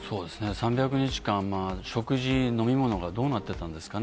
３００時間、食事、飲み物がどうなってたんですかね。